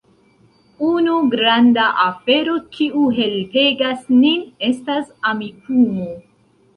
Unu granda afero, kiu helpegas nin, estas Amikumu.